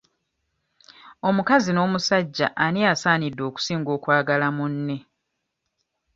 Omukazi n'omusajja ani asaanidde okusinga okwagala munne?